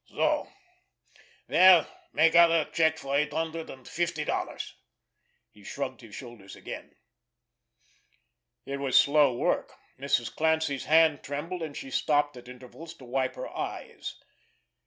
"So! Well, make out a check for eight hundred and fifty dollars." He shrugged his shoulders again. It was slow work. Mrs. Clancy's hand trembled, and she stopped at intervals to wipe her eyes.